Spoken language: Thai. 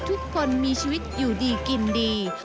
ทุกคนมีชีวิตอยู่ดีกินดี